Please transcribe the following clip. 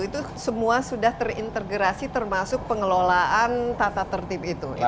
itu semua sudah terintegrasi termasuk pengelolaan tata tertib itu